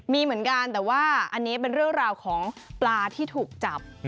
มีเหมือนกันแต่ว่าอันนี้เป็นเรื่องราวของปลาที่ถูกจับ